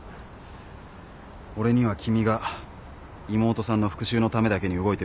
俺には君が妹さんの復讐のためだけに動いてるとは思えない。